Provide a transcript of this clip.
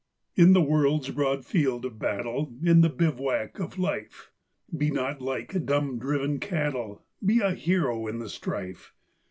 In the world's broad field of battle, In the bivouac of Life, Be not like dumb, driven cattle! Be a hero in the strife!